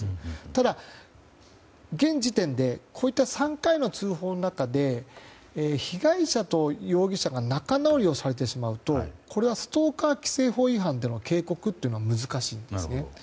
ただ、現時点でこういった３回の通報の中で被害者と容疑者が仲直りをされてしまうとこれはストーカー規制法違反での警告というのは難しいんですね。